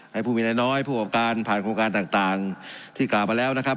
ผู้มีรายน้อยผู้ประกอบการผ่านโครงการต่างที่กล่าวมาแล้วนะครับ